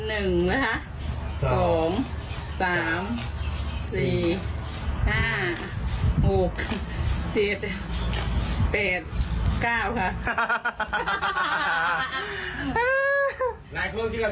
๑นะคะ